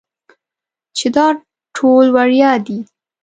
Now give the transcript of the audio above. چې دا ټول وړيا دي.